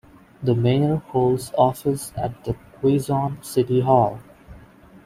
The mayor holds office at the Quezon City Hall.